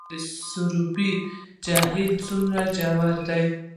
د سروبي جهیل څومره ژور دی؟